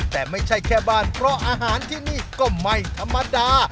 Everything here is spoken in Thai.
แต่ไม่ใช่แค่บ้านเพราะอาหารที่นี่ก็ไม่ธรรมดา